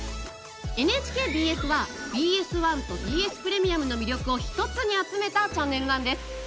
ＮＨＫＢＳはＢＳ１とＢＳプレミアムの魅力を一つに集めたチャンネルなんです。